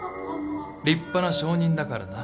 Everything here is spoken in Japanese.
立派な証人だからな。